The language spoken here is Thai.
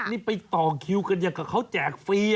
นี่ไปต่อคิวกันอย่างกับเขาแจกฟรี